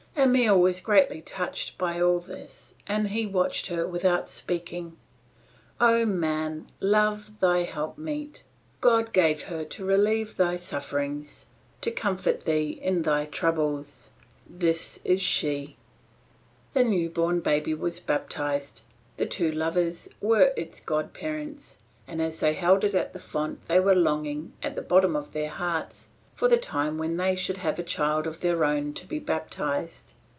Emile was greatly touched by all this and he watched her without speaking. O man, love thy helpmeet. God gave her to relieve thy sufferings, to comfort thee in thy troubles. This is she! The new born baby was baptised. The two lovers were its god parents, and as they held it at the font they were longing, at the bottom of their hearts, for the time when they should have a child of their own to be baptised.